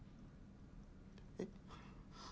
えっ？